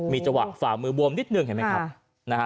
มีจังหวะฝ่ามือบวมนิดนึงเห็นไหมครับนะฮะ